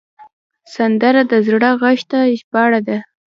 سندره د زړه غږ ته ژباړه ده